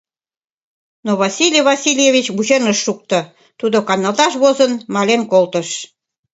Но Василий Васильевич вучен ыш шукто, тудо, каналташ возын, мален колтыш.